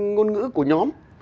ngôn ngữ của nhóm